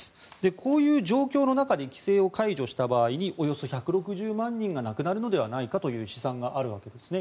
こういう状況の中で規制を解除した場合におよそ１６０万人が亡くなるのではないかという試算があるわけですね。